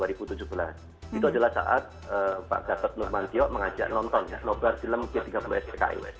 itu adalah saat pak datuk nurman tio mengajak nonton ya nobar film g tiga puluh s pki